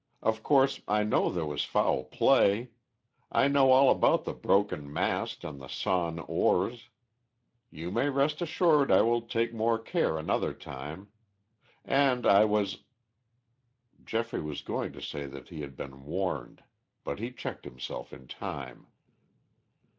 "Of course I know there was foul play. I know all about the broken mast and the sawn oars. You may rest assured I will take more care another time. And I was " Geoffrey was going to say that he had been warned, but he checked himself in time.